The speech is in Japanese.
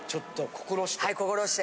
心して。